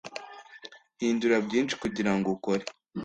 hindura byinshi kugirango ukore,